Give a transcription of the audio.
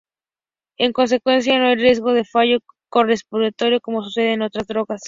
En consecuencia no hay riesgo de fallo cardiorrespiratorio como sucede con otras drogas.